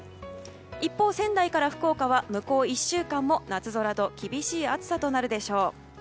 一方、仙台から福岡は向こう１週間も夏空と厳しい暑さとなるでしょう。